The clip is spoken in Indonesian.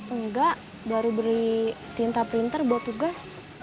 enggak baru beri tinta printer buat tugas